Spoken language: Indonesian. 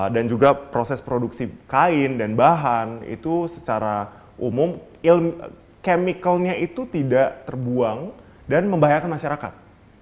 dan juga proses produksi kain dan bahan itu secara umum kemikalnya itu tidak terbuang dan membahayakan masyarakat